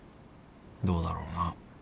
どうだろうな。